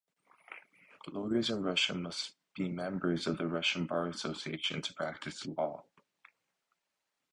Lawyers in Russia must be members of the Russian Bar Association to practice law.